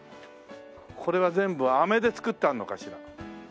これは全部あめで作ってあるのかしら。